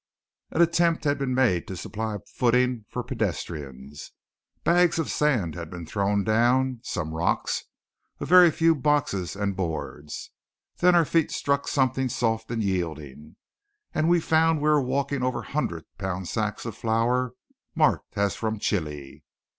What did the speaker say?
An attempt had been made to supply footing for pedestrians. Bags of sand had been thrown down, some rocks, a very few boxes and boards. Then our feet struck something soft and yielding, and we found we were walking over hundred pound sacks of flour marked as from Chili.